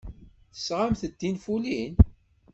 Tesɣamt-d tinfulin?